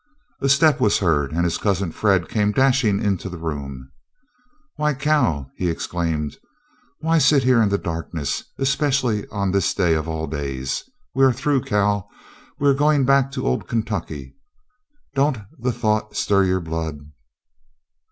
A step was heard, and his cousin Fred came dashing into the room. "Why, Cal," he exclaimed, "why sit here in the darkness, especially on this day of all days? We are through, Cal, we are going back to Old Kentucky. Don't the thought stir your blood?"